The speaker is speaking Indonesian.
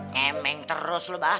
ngeming terus lo bah